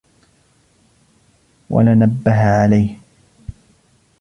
وَلَنَبَّهَ عَلَيْهِ